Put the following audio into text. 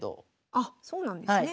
あっそうなんですね。